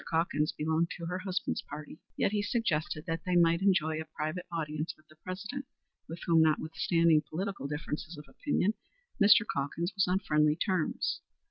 Calkins belonged to her husband's party, yet he suggested that they might enjoy a private audience with the President, with whom, notwithstanding political differences of opinion, Mr. Calkins was on friendly terms.